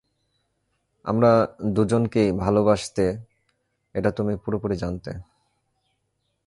আমাদের দুজনকেই ভালোবাসতে এটা তুমি পুরোপুরি জানতে।